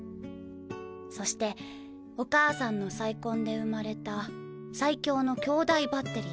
そしてお母さんの再婚で生まれた最強の兄弟バッテリーも。